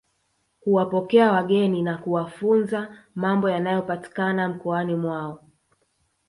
Huwapokea wageni na kuwafunza mambo yanayopatikana mkoani mwao